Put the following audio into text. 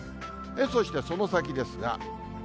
そして、その先ですが。